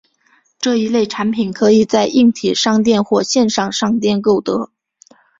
这一类产品可以在硬体商店或线上商店购得。